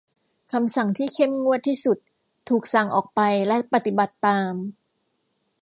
คำสั่งที่เข้มงวดที่สุดถูกสั่งออกไปและปฏิบัติตาม